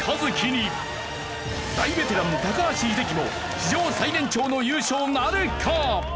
大ベテラン高橋英樹も史上最年長の優勝なるか！？